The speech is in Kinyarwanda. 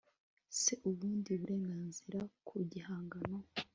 se ubundi burenganzira ku gihangano